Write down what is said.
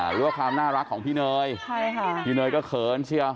หรือว่าความน่ารักของพี่เนยพี่เนยก็เขินเชียว